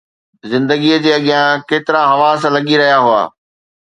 زندگيءَ جي اڳيان ڪيترا حواس لڳي رهيا هئا